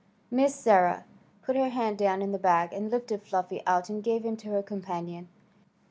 Miss Sarah put her hand down in the bag, and lifted Fluffy out and gave him to her companion.